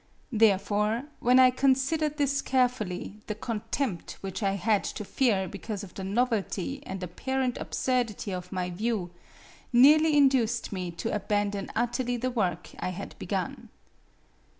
Therefore, when I considered this carefully, the contempt which I had to fear because of the novelty and apparent absurdity of my view, nearly induced me to abandon utterly the work I had begun.